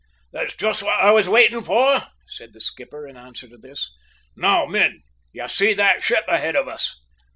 "That's just what I was waiting for," said the skipper in answer to this. "Now, men, you see that ship ahead of us?"